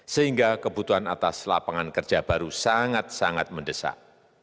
sehingga kebutuhan atas lapangan kerja baru sangat sangat mendesak